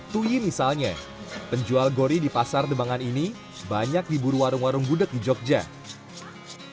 tuyi misalnya penjual gori di pasar demangan ini banyak di buru warung warung gudeg di yogyakarta